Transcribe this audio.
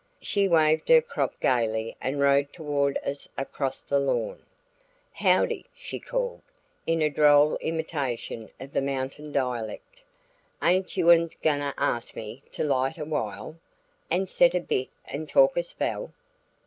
She waved her crop gaily and rode toward us across the lawn. "Howdy!" she called, in a droll imitation of the mountain dialect. "Ain't you uns guine to ask me to 'light a while, an' set a bit, an' talk a spell?"